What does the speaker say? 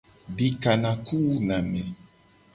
Dikanaku wuna ame.